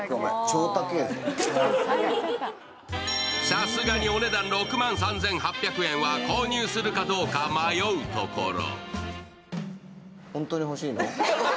さすがにお値段６万３８００円は購入するかどうか迷うところ。